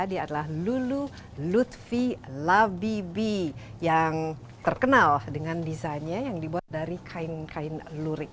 dia adalah lulu lutfi labibi yang terkenal dengan desainnya yang dibuat dari kain kain lurik